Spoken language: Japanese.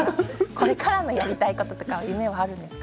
これからのやりたいこととか夢はあるんですか。